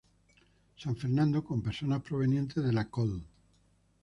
San Fernando con personas provenientes de la col.